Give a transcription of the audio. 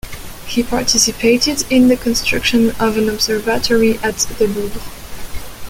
He participated in the construction of an observatory at the Louvre.